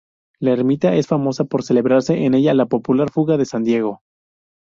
La ermita es famosa por celebrarse en ella la popular Fuga de San Diego.